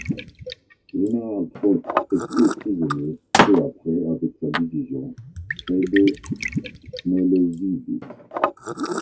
Le général Traut est fait prisonnier peu après avec sa division, près de Smelovivi.